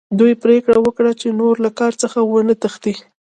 دوی پریکړه وکړه چې نور له کار څخه ونه تښتي